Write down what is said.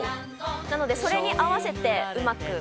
なのでそれに合わせてうまく。